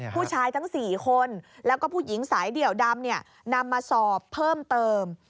ผู้ชายทั้ง๔คนแล้วก็ผู้หญิงสายเดี่ยวดำนำมาสอบเพิ่มเติม